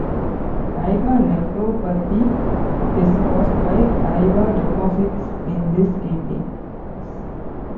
IgA nephropathy is caused by IgA deposits in the kidneys.